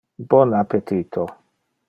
Bon appetito!